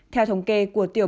theo thống kê của tiểu ban